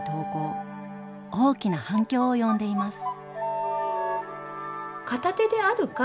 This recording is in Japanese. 大きな反響を呼んでいます。